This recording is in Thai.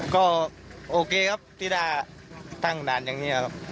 ก็โอเคครับที่ได้ตั้งด่านอย่างนี้ครับ